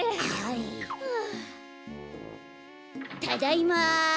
ただいま。